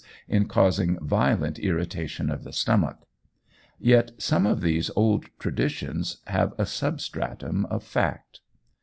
in causing violent irritation of the stomach. Yet some of these old traditions have a substratum of fact.